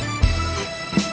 kenapa tidak bisa